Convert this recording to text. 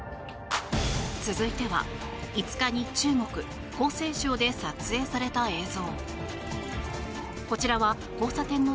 続いては５日に中国・江西省で撮影された映像。